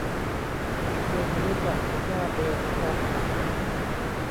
ชวนรู้จักหัวหน้าเบนครับ